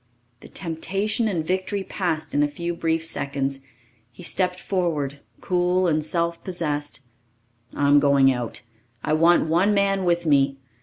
The temptation and victory passed in a few brief seconds. He stepped forward, cool and self possessed. "I'm going out. I want one man with me.